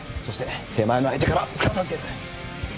そして手前の相手から片付ける！